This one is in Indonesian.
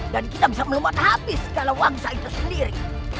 dan kita bisa menelamkan segala wangsa itu sendiri